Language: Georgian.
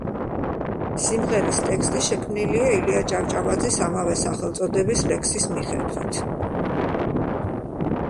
სიმღერის ტექსტი შექმნილია ილია ჭავჭავაძის ამავე სახელწოდების ლექსის მიხედვით.